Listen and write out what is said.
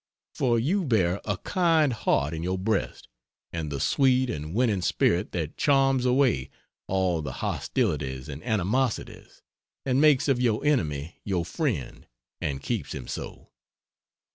For you bear a kind heart in your breast, and the sweet and winning spirit that charms away all hostilities and animosities, and makes of your enemy your friend and keeps him so.